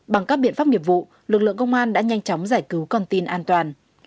bằng các biện pháp nghiệp vụ lực lượng công an đã nhanh chóng giải cứu con tin an toàn